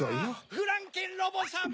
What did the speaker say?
・フランケンロボさま！